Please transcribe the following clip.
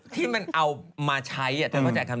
ที่มันเอามาใช้อ่ะ